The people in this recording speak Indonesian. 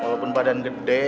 malu badan gede